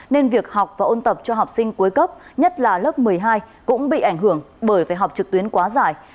nên việc học và ôn tập cho học sinh cuối cấp nhất là lớp một mươi hai cũng bị ảnh hưởng bởi phải học trực tuyến quá dài